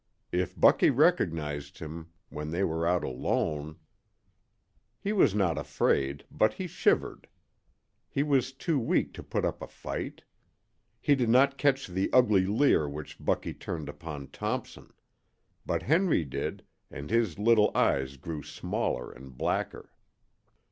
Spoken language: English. If Bucky recognized him when they were out alone He was not afraid, but he shivered. He was too weak to put up a fight. He did not catch the ugly leer which Bucky turned upon Thompson. But Henry did, and his little eyes grew smaller and blacker.